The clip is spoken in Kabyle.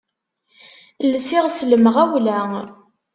Lsiɣ s lemɣawla.